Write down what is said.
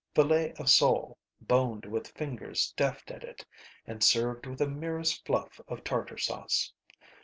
Filet of sole boned with fingers deft at it and served with a merest fluff of tartar sauce.